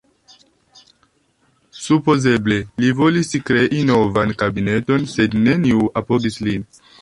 Supozeble li volis krei novan kabineton, sed neniu apogis lin.